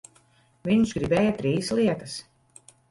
Viņš gribēja trīs lietas.